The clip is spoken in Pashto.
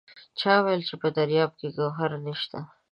چا وایل چې په دریاب کې ګوهر نشته!